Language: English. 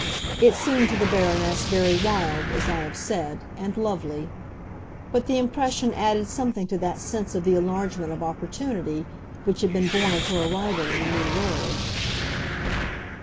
It seemed to the Baroness very wild, as I have said, and lovely; but the impression added something to that sense of the enlargement of opportunity which had been born of her arrival in the New World.